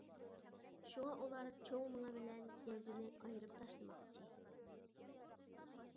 شۇڭا ئۇلار چوڭ مېڭە بىلەن گەۋدىنى ئايرىپ تاشلىماقچى.